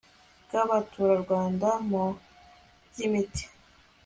bw abaturarwanda mu by imiti